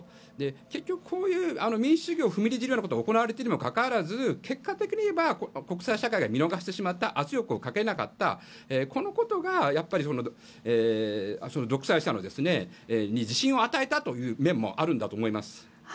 結局、こういう民主主義が踏みにじられることが起きているにもかかわらず結果的に言えば国際社会が見逃してしまった圧力をかけなかったこのことが独裁者に自信を与えた面もあると思います。